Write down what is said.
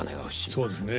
そうですね。